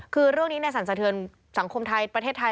คือเรื่องนี้ในสรรสะเทือนสังคมไทยประเทศไทย